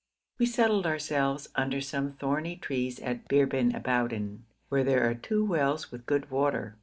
We settled ourselves under some thorny trees at Bir bin Aboudan, where there are two wells with good water.